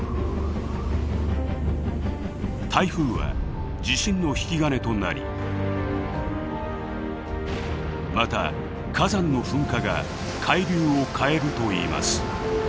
台風は地震の引き金となりまた火山の噴火が海流を変えるといいます。